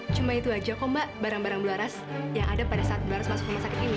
cuma itu aja kok mbak barang barang bulan ras yang ada pada saat bulan ras masuk ke klinik sakit ini